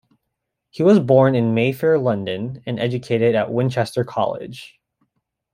He was born in Mayfair, London and educated at Winchester College.